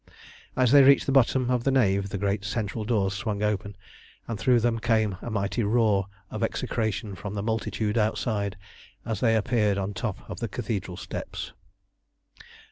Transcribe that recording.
As they reached the bottom of the nave the great central doors swung open, and through them came a mighty roar of execration from the multitude outside as they appeared on the top of the Cathedral steps.